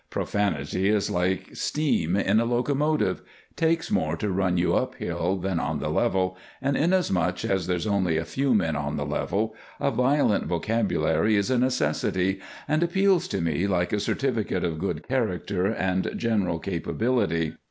Profanity is like steam in a locomotive takes more to run you up hill than on the level, and inasmuch as there's only a few men on the level, a violent vocabulary is a necessity and appeals to me like a certificate of good character and general capability.